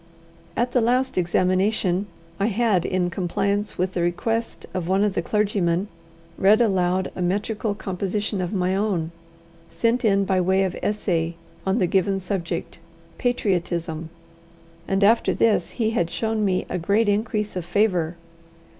At the last examination I had, in compliance with the request of one of the clergymen, read aloud a metrical composition of my own, sent in by way of essay on the given subject, Patriotism, and after this he had shown me a great increase of favour.